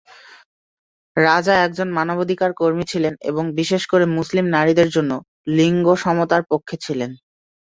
রাজা একজন মানবাধিকার কর্মী ছিলেন এবং বিশেষ করে মুসলিম নারীদের জন্য লিঙ্গ সমতার পক্ষে ছিলেন।